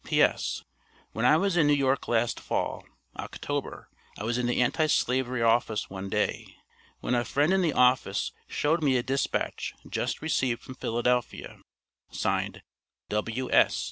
P.S. When I was in New York last Fall, October, I was in the Anti Slavery office one day, when a friend in the office showed me a dispatch just received from Philadelphia, signed W.S.